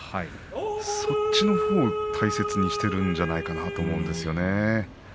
そっちのほうを大切にしているんじゃないかなと思うんですね。